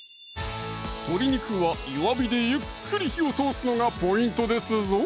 鶏肉は弱火でゆっくり火を通すのがポイントですぞ